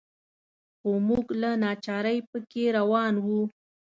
خو موږ له ناچارۍ په کې روان وو.